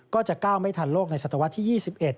ก็จะก้าวไม่ทันโลกในศตวรรษที่๒๑